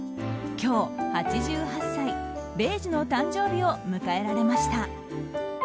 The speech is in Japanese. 今日、８８歳米寿の誕生日を迎えられました。